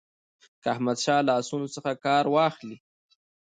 که احمدشاه له آسونو څخه کار واخلي.